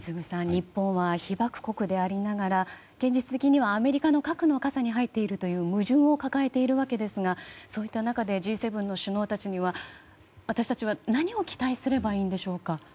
日本は被爆国でありながら現実的にはアメリカの核の傘に入っているという矛盾を抱えているわけですがそういった中でＧ７の首脳たちには私たちは何を期待すればいいんでしょうか？